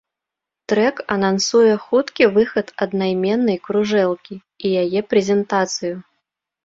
Трэк анансуе хуткі выхад аднайменнай кружэлкі і яе прэзентацыю.